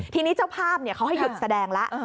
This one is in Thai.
ทีนี้เจ้าภาพเขาให้หยุดแสดงแล้ว